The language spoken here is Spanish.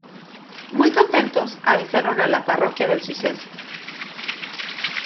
Muy contentos avisaron a la parroquia del suceso.